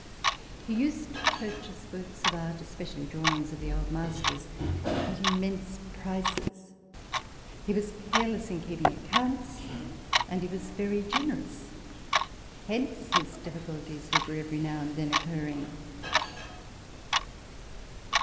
He used to purchase works of art, especially draw ings of the old masters, at immense prices ; he was careless in keeping accounts, and he was very generous : hence his difficulties which were every now and then occurring.